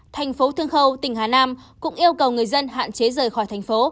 thành phố thương khâu tỉnh hà nam cũng yêu cầu người dân hạn chế rời khỏi thành phố